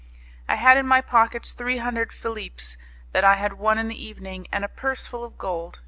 I had in my pockets three hundred philippes that I had won in the evening, and a purse full of gold.